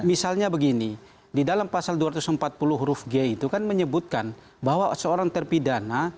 misalnya begini di dalam pasal dua ratus empat puluh huruf g itu kan menyebutkan bahwa seorang terpidana